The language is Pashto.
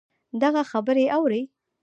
دغـه خبـرې اورې